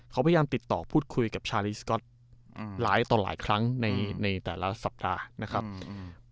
เขาพยายามติดต่อพูดคุยกับชาลีสก๊อตอืมหลายต่อหลายครั้งในในแต่ละสัปดาห์นะครับอืม